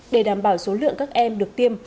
để đảm bảo số lượng các em được tiêm